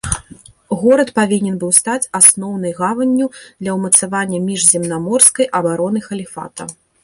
Горад павінен быў стаць асноўнай гаванню для ўмацавання міжземнаморскай абароны халіфата.